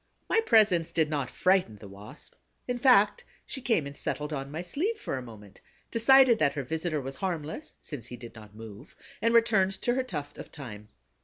My presence did not frighten the Wasp; in fact, she came and settled on my sleeve for a moment, decided that her visitor was harmless, since he did not move, and returned to her tuft of thyme.